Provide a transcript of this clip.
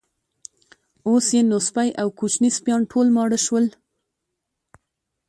اوس یې نو سپۍ او کوچني سپیان ټول ماړه شول.